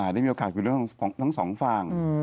ได้มีโอกาสคุยทั้งสองฝั่ง